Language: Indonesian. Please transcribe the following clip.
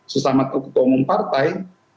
sesama ketua umum partai